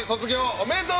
おめでとう。